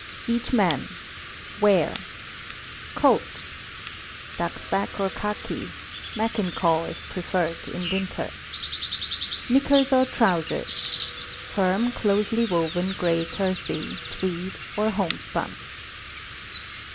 EACH MAN. Wear: Coat (duxbak or khaki; Mackinaw, if preferred, in winter). Knickers or trousers (firm, closely woven gray kersey, tweed, or homespun).